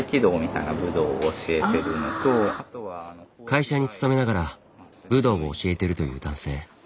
会社に勤めながら武道を教えているという男性。